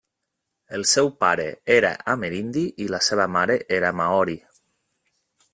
El seu pare era amerindi i la seva mare era maori.